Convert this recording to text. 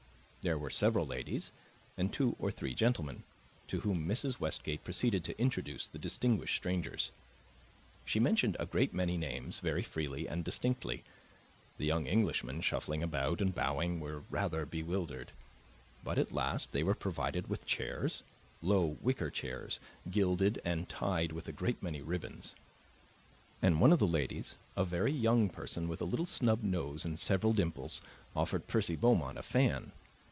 There were several ladies and two or three gentlemen, to whom Mrs. Westgate proceeded to introduce the distinguished strangers. She mentioned a great many names very freely and distinctly; the young Englishmen, shuffling about and bowing, were rather bewildered. But at last they were provided with chairs low, wicker chairs, gilded, and tied with a great many ribbons and one of the ladies (a very young person, with a little snub nose and several dimples) offered Percy Beaumont a fan.